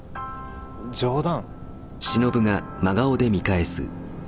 冗談？